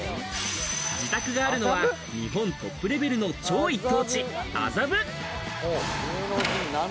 自宅があるのは日本トップレベルの超一等地、麻布。